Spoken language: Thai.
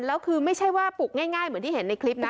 แล้วคือไม่ใช่ว่าปลุกง่ายเหมือนที่เห็นในคลิปนะ